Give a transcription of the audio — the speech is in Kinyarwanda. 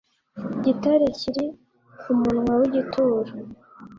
gitare kiri ku munwa w igituro